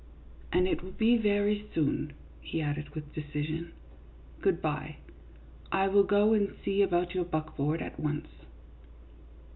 and it will be very soon, he added, with decision. "Good by, I will go and see about your buckboard at once."